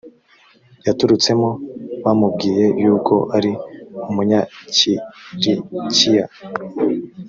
yaturutsemo bamubwiye yuko ari umunyakilikiya